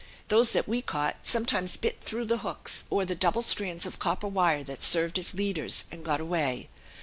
Those that we caught sometimes bit through the hooks, or the double strands of copper wire that served as leaders, and got away.